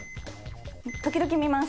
時々見ます。